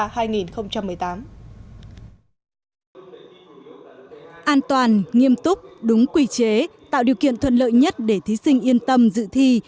an toàn nghiêm túc đúng quy chế tạo điều kiện thuận lợi nhất để thí sinh yên tâm dự thi